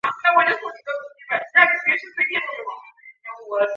她这个赛季被分配到加拿大站和法国站。